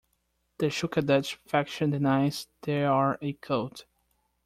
The Schuckardt faction denies they are a cult.